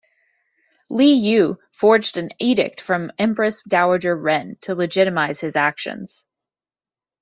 Li Yue forged an edict from Empress Dowager Ren to legitimize his actions.